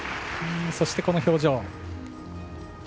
そして、この表情。